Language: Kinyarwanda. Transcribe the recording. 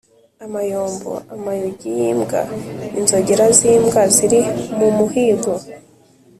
amayombo: amayugi y’imbwa, inzogera z’imbwa ziri mu muhigo.